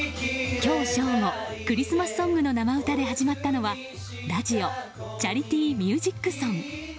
今日、正午クリスマスソングの生歌で始まったのは「ラジオ・チャリティ・ミュージックソン」。